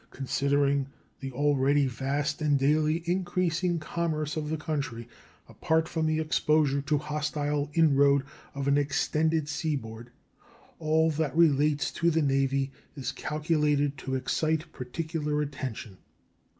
Considering the already vast and daily increasing commerce of the country, apart from the exposure to hostile inroad of an extended seaboard, all that relates to the Navy is calculated to excite particular attention.